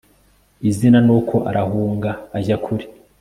izina, nuko arahunga, ajya kure